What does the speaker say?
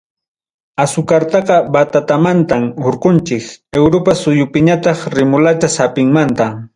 Asukartaqa batatamantam hurqunchik, Europa suyupiñataq rimulacha sapinmantam.